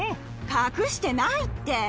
隠してないって。